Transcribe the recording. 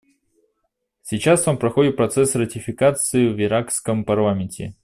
Сейчас он проходит процесс ратификации в иракском парламенте.